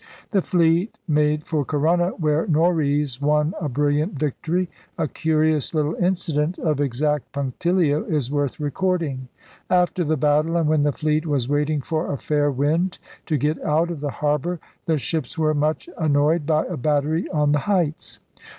The fleet made for Corunna, where Norreys won a brilliant victory. A curious little incident of exact punctilio is worth recording. After the battle, and when the fleet was waiting for a fair wind to get out of the harbor, the ships were much annoyed by a battery on the heights.